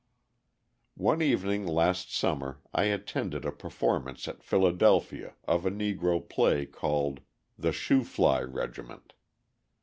One evening last summer I attended a performance at Philadelphia of a Negro play called the "Shoo Fly Regiment."